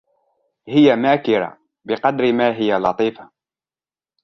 هي ماكرة بقدر ما هي لطيفة.